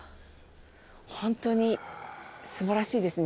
ホントに素晴らしいですね